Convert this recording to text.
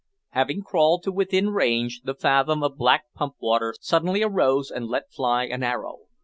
Having crawled to within range, the fathom of black pump water suddenly arose and let fly an arrow.